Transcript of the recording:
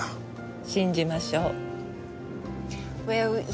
信じましょう。